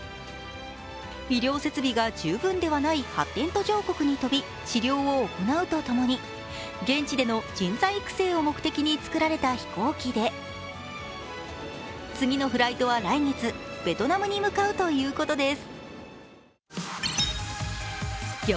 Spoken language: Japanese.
医療設備が十分ではない発展途上国に飛び治療を行うとともに現地での人材育成を目的に作られた飛行機で次のフライトは来月、ベトナムに向かうということです。